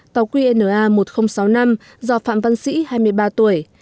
tàu qna một nghìn sáu mươi năm do phạm văn sĩ hai mươi ba tuổi